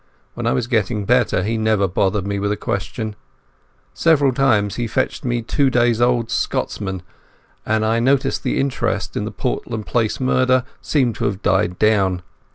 When I was getting better, he never bothered me with a question. Several times he fetched me a two days' old Scotsman, and I noticed that the interest in the Portland Place murder seemed to have died down.